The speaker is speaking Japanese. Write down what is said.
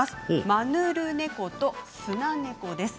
マヌルネコとスナネコです。